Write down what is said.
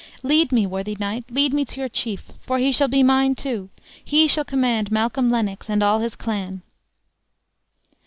Lead me, worthy knight, lead me to your chief, for he shall be mine too: he shall command Malcolm Lennox and all his clan."